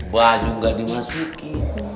baju ga dimasuki